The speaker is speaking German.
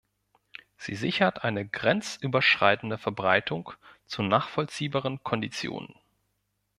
Sie sichert eine grenzüberschreitende Verbreitung zu nachvollziehbaren Konditionen.